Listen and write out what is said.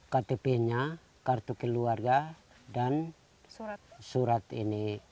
ktp nya kartu keluarga dan surat ini